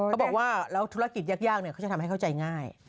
เขาบอกว่าแล้วธุรกิจยากเขาจะทำให้เข้าใจง่าย